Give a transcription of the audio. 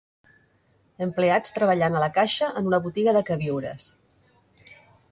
Empleats treballant a la caixa en una botiga de queviures